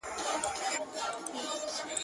شته نورې لارې خو پـــاګله خلک مۀ مړۀ کوه